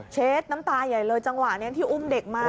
เช็ดน้ำตาใหญ่เลยจังหวะนี้ที่อุ้มเด็กมา